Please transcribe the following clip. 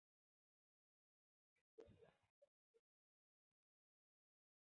Se encuentran en Costa Rica y Panamá.